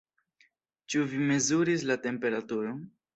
Ĉu vi mezuris la temperaturon?